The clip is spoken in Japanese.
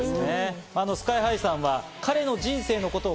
ＳＫＹ−ＨＩさんは彼の人生のことを